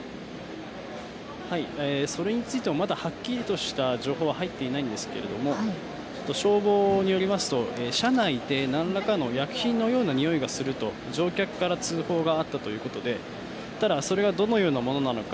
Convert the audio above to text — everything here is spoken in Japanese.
それについてもまだはっきりとした情報は入っていないんですが消防によりますと車内で何らかの薬品のようなにおいがすると乗客から通報があったということで、ただそれがどのようなものなのか